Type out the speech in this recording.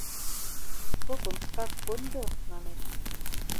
Шопым шкак кондо, манеш.